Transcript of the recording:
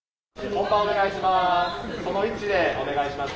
・本番お願いします。